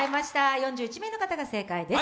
４１名の方が正解です。